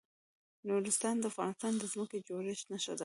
نورستان د افغانستان د ځمکې د جوړښت نښه ده.